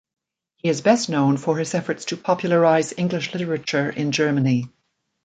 He is best known for his efforts to popularize English literature in Germany.